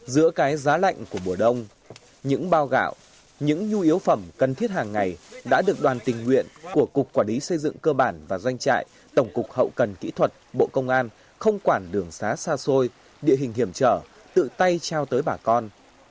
giữa cái giá lạnh của mùa đông những bao gạo những nhu yếu phẩm cần thiết hàng ngày đã được đoàn tình nguyện của cục quản lý xây dựng cơ bản và doanh trại tổng cục hậu cần kỹ thuật bộ công an không quản đường xá xa xôi địa hình hiểm trở tự tay trao tới bà con